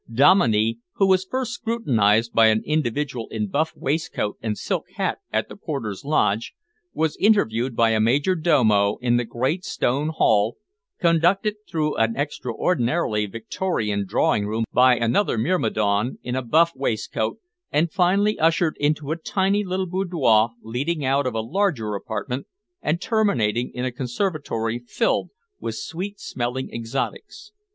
Dominey, who was first scrutinised by an individual in buff waistcoat and silk hat at the porter's lodge, was interviewed by a major domo in the great stone hall, conducted through an extraordinarily Victorian drawing room by another myrmidon in a buff waistcoat, and finally ushered into a tiny little boudoir leading out of a larger apartment and terminating in a conservatory filled with sweet smelling exotics.